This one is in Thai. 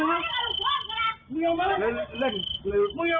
ไม่อยากยุ่งมาลูกบ้อน